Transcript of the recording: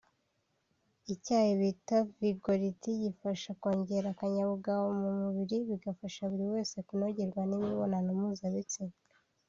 icyayi bita Vigority gifasha kongera akanyabugabo mu mubiri bigafasha buri wese kunogerwa n’imibonano mpuzabitsina